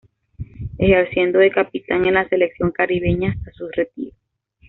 Ejerciendo de capitán en la selección caribeña hasta su retiro.